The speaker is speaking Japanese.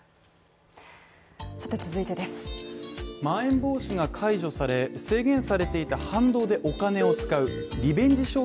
まん延防止が解除され、制限されていた反動でお金を使うリベンジ